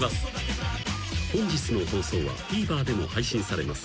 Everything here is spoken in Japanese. ［本日の放送はＴＶｅｒでも配信されます。